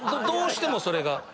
どうしてもそれが。